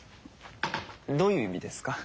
どういう意味ですか？